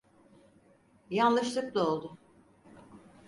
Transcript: Yanlışlıkla oldu.